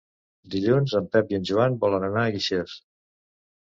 Dilluns en Pep i en Joan volen anar a Guixers.